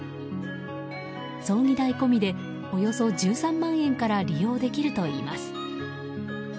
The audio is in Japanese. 葬儀代込みでおよそ１３万円から利用できるといいます。